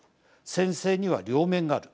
専制には両面がある。